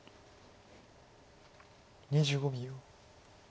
２５秒。